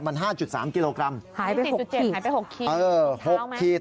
มัน๕๓กิโลกรัมหายไป๖ขีด